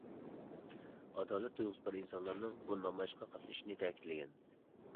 ئادالەت تۇيغۇسى بار ئىنسانلارنىڭ بۇ نامايىشقا قاتنىشىشىنى تەكىتلىگەن.